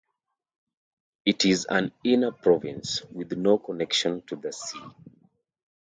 It is an inner province, with no connection to the sea.